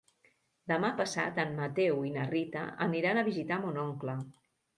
Demà passat en Mateu i na Rita aniran a visitar mon oncle.